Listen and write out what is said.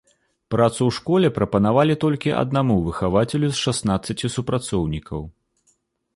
Працу ў школе прапанавалі толькі аднаму выхавацелю з шаснаццаці супрацоўнікаў.